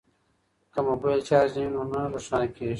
که موبایل چارج نه وي نو نه روښانه کیږي.